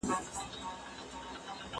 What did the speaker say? زه پرون د کتابتوننۍ سره مرسته وکړه؟!